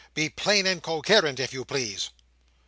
Be plain and coherent, if you please."